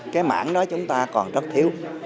cái mảng đó chúng ta còn rất thiếu